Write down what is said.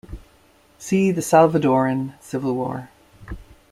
See the Salvadoran Civil War.